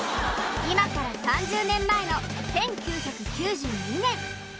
今から３０年前の１９９２年